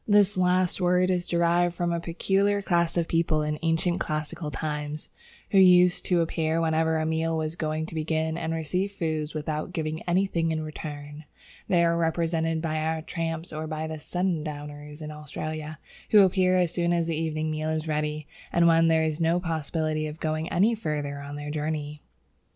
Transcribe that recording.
This last word is derived from a peculiar class of people in ancient classical times, who used to appear whenever a meal was going to begin, and received food without giving anything in return. They are represented by our tramps or by the "sundowners" in Australia, who appear as soon as the evening meal is ready and when there is no possibility of going any further on their journey.